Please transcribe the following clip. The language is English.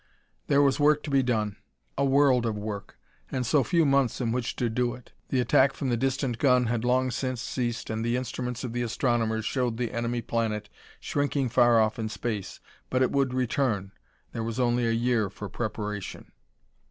There was work to be done a world of work! and so few months in which to do it. The attack from the distant gun had long since ceased and the instruments of the astronomers showed the enemy planet shrinking far off in space. But it would return; there was only a year for preparation.